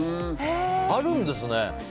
あるんですね。